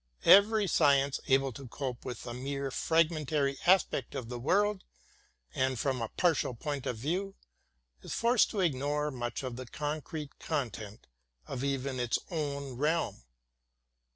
Every science able to cope with a mere fragmentary aspect of the world and from a partial point of view, is forced to ignore much of the concrete content of even its own realm.